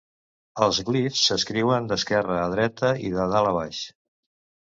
Els glifs s'escriuen d'esquerra a dreta, i de dalt a baix.